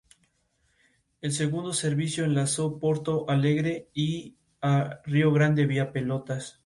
Vive en todo tipo de ecosistemas, aunque evita los bosques muy cerrados.